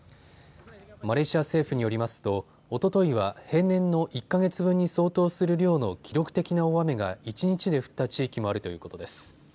マレーシア政府によりますとおとといは平年の１か月分に相当する量の記録的な大雨が一日で降った地域もあるということです。